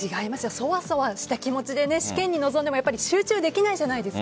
そわそわした気持ちで試験に臨んでも集中できないじゃないですか。